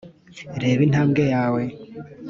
reba intambwe yawe